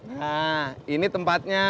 nah ini tempatnya